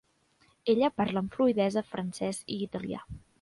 Ella parla amb fluïdesa francès i italià.